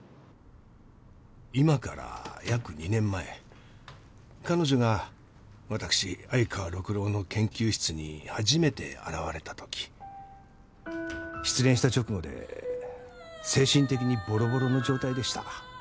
今から約２年前彼女がわたくし愛川六郎の研究室に初めて現れたとき失恋した直後で精神的にボロボロの状態でした。